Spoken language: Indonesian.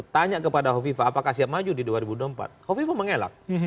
tanya kepada hovifa apakah siap maju di dua ribu dua puluh empat kofifa mengelak